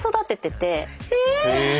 え